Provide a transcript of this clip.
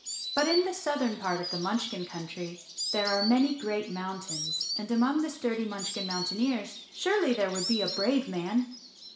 But in the southern part of the Munchkin Country there are many great mountains and among the sturdy Munch¬ kin mountaineers surely there would be a brave man.